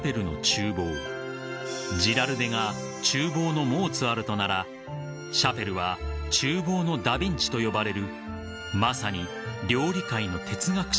［ジラルデが厨房のモーツァルトならシャペルは厨房のダ・ヴィンチと呼ばれるまさに］